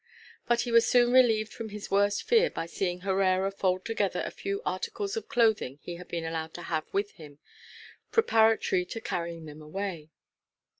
But he was soon relieved from his worst fear by seeing Herrera fold together the few articles of clothing he had been allowed to have with him, preparatory to carrying them away.